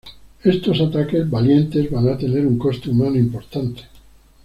Estos ataques valientes van a tener un coste humano importante.